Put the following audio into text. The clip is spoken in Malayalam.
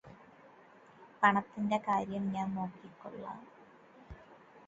പണത്തിന്റെ കാര്യം ഞാന് നോക്കിക്കോളാം